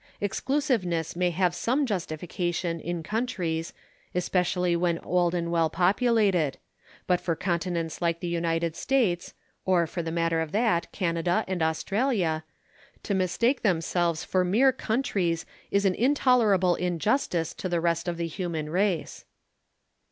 Exclusiveness may have some justification in countries, especially when old and well populated; but for continents like the United States or for the matter of that Canada and Australia to mistake themselves for mere countries is an intolerable injustice to the rest of the human race.